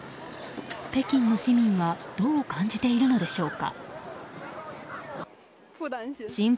北京の市民はどう感じているのでしょうか。